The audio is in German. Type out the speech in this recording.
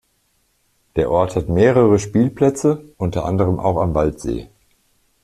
Der Ort hat mehrere Spielplätze, unter anderem auch am Waldsee.